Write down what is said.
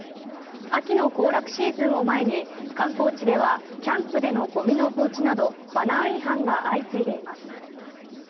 秋の行楽シーズンを前に観光地ではキャンプでのゴミの放置などマナー違反が相次いでいます。